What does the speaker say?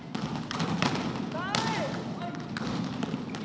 สุดท้ายสุดท้ายสุดท้าย